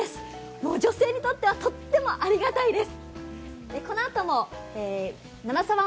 もう女性にとってはとってもありがたいです。